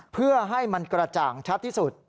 เพื่อให้มันกระจ่างชัดที่สุด